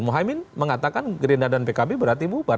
muhaymin mengatakan gerindra dan pkb berarti bubar